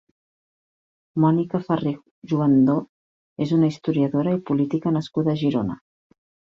Mònica Ferrer Juandó és una historiadora i política nascuda a Girona.